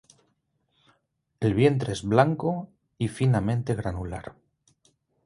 El vientre es blanco y finamente granular.